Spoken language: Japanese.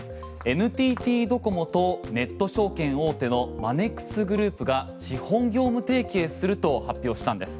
ＮＴＴドコモとネット証券大手のマネックスグループが資本業務提携すると発表したんです。